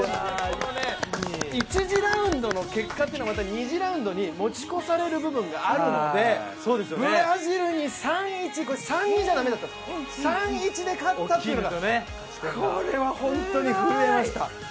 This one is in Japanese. １次ラウンドの結果というのが２次ラウンドに持ち越される部分があるのでブラジルに３−２じゃ駄目だったんです、３−１で勝ったというのが、これはホントに震えました。